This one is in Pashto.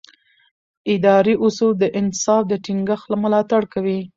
اداري اصول د انصاف د ټینګښت ملاتړ کوي.